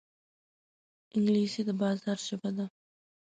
انګلیسي د بازار ژبه ده